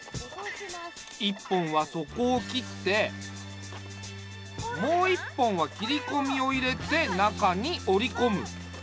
一本はそこを切ってもう一本は切りこみを入れて中におりこむ。